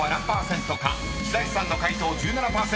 ［白石さんの解答１７％］